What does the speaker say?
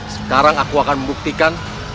sekarang aku akan membuktikan